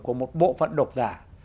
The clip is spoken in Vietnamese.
của một bộ phận độc giả